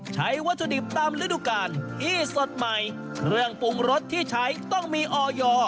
ใช้วัตถุดิบตามฤดูกาลที่สดใหม่เครื่องปรุงรสที่ใช้ต้องมีออย